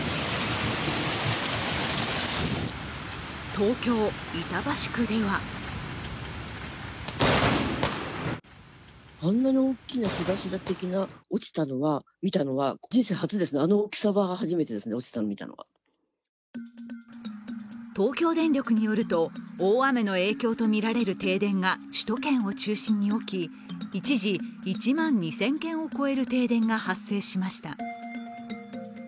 東京・板橋区では東京電力によると大雨の影響とみられる停電が首都圏を中心に起き、一時１万２０００軒を超える停電が発生しました。